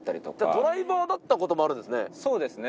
ドライバーだったこともあるそうですね。